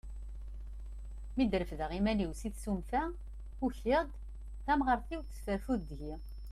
Mi d-refdeɣ iman-iw si tsumta, ukiɣ-d, tamɣart-iw tesfarfud deg-i.